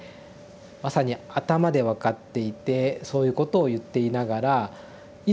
まさに頭で分かっていてそういうことを言っていながらいざ